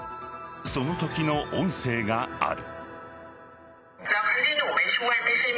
そのときの音声がある。